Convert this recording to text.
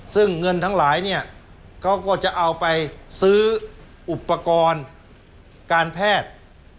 ซึ่งเงินทั้งหลายเนี่ยเขาก็จะเอาไปซื้ออุปกรณ์การแพทย์